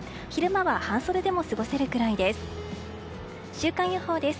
週間予報です。